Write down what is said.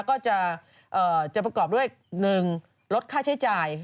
ก็จะประกอบด้วย๑ลดค่าใช้จ่าย